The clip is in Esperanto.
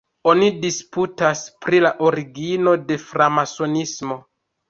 Oni disputas pri la origino de Framasonismo.